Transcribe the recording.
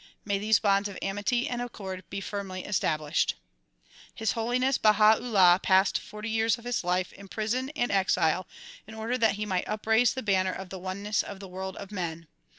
May these bonds of amity and accord be finnly established. His Holiness Baha 'Ullah passed forty years of his life in prison and exile in order that he might upraise the banner of the oneness of the world of men.